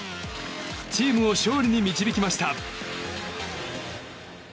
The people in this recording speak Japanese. チームを勝利に導きました。